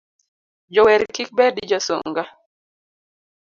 Jower kik bed josunga